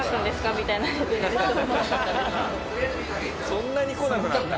そんなに来なくなった？